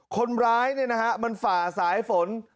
คนร้ายมันฝ่าสายฝน